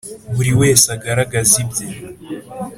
, buri wese agaragaze ibye